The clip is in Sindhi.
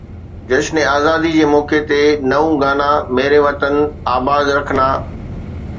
جشن آزادي جي موقعي تي نئون گانا ميري وطن آباد رخانه